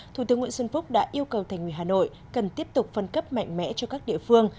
thủ tướng nguyễn xuân phúc đã yêu cầu thành ủy hà nội cần tiếp tục phân cấp mạnh mẽ cho các địa phương